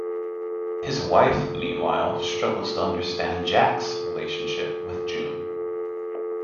His wife, meanwhile, struggles to understand Jack's relationship with June.